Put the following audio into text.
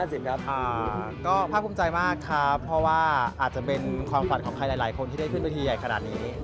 ก็ภาคภูมิใจมากครับเพราะว่าอาจจะเป็นความฝันของใครหลายคนที่ได้ขึ้นเวทีใหญ่ขนาดนี้